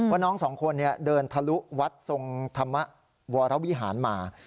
ว่าน้องสองคนเดินทะลุวัดทรงธรรมวรวิหารมา